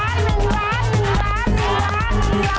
เกมต่อ